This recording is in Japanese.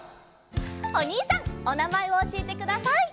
おにいさんおなまえをおしえてください。